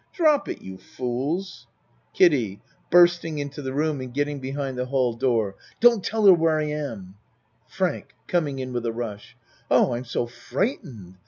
Drop it you, fools! KIDDIE (Bursting into the room and getting be 1 8 A MAN'S WORLD hind the hall door.) Don't tell 'er where I am. FRANK (Coming in with a rush.) Oh, I'm so frightened!